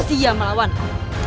sia melawan aku